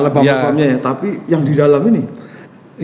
tapi yang di dalam ini